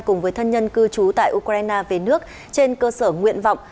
cùng với thân nhân cư trú tại ukraine về nước trên cơ sở nguyện vọng